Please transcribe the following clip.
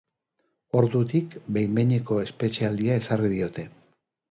Ordutik, behin-behineko espetxealdia ezarri diote.